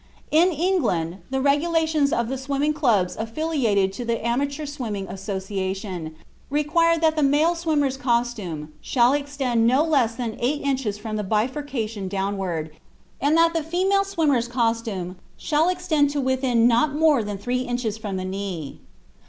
In England, the regulations of the Swimming Clubs affiliated to the Amateur Swimming Association, require that the male swimmer's costume shall extend not less than eight inches from the bifurcation downward, and that the female swimmer's costume shall extend to within not more than three inches from the knee.